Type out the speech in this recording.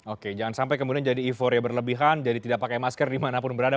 oke jangan sampai kemudian jadi euforia berlebihan jadi tidak pakai masker dimanapun berada